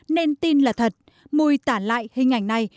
nên tin là thật mùi tản lại hình ảnh này